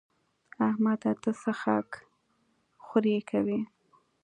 احمده! ته څه خاک ښوري کوې؟